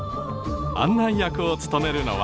案内役を務めるのは。